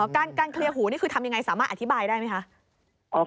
การเคลียร์หูนี่คือทำยังไงสามารถอธิบายได้ไหมคะ